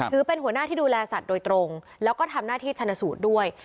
หัวหน้าที่ดูแลสัตว์โดยตรงแล้วก็ทำหน้าที่ชนสูตรด้วย